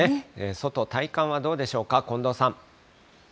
外、体感はどうでしょうか、近藤さん。